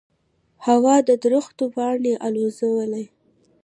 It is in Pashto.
هوا د درختو پاڼې الوزولې.